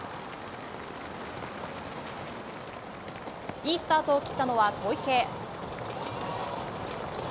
いいスタートを切ったのは小池。